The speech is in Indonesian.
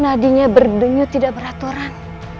nadinya berdenyut tidak beraturan